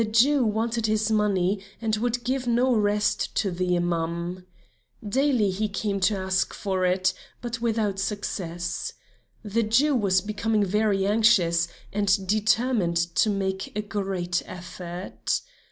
The Jew wanted his money and would give no rest to the Imam. Daily he came to ask for it, but without success. The Jew was becoming very anxious and determined to make a great effort.